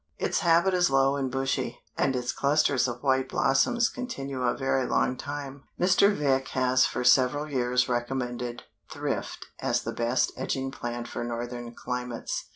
Its habit is low and bushy, and its clusters of white blossoms continue a very long time. Mr. Vick has for several years recommended Thrift as the best edging plant for northern climates.